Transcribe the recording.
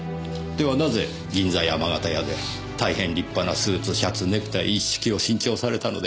ではなぜ銀座山形屋で大変立派なスーツシャツネクタイ一式を新調されたのでしょう？